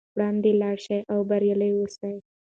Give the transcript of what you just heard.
وړاندې لاړ شئ او بریالي اوسئ.